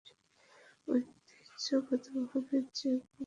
ঐতিহ্যগতভাবে, চেক ভূমির সংস্কৃতিতে ইসলামের প্রভাব খুব কম ছিল।